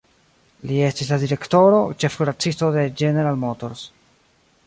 Li estis la direktoro, ĉefkuracisto de General Motors.